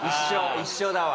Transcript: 一緒だわ。